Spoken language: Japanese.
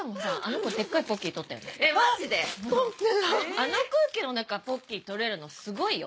あの空気の中ポッキー取れるのすごいよ。